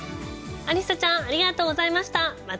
アリサちゃん、ありがとうございました。